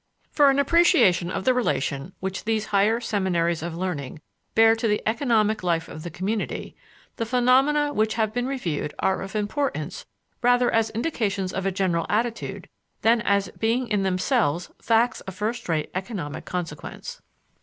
For an appreciation of the relation which these higher seminaries of learning bear to the economic life of the community, the phenomena which have been reviewed are of importance rather as indications of a general attitude than as being in themselves facts of first rate economic consequence.